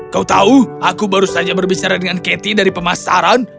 kau tahu aku baru saja berbicara dengan katie dari pemasaran